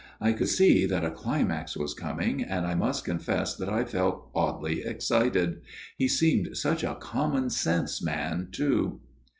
I could see that a climax was coming, and I must confess that I felt oddly excited. He seemed such a common sense man, too.